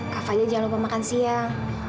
kak fadil jangan lupa makan siang